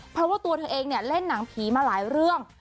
เพราะว่าตัวเธอเองเนี่ยเล่นหนังผีมาหลายเรื่อง